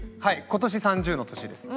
今年３０の年ですね。